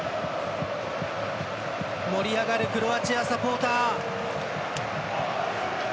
盛り上がるクロアチアサポーター。